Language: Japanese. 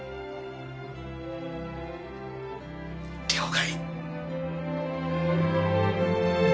了解。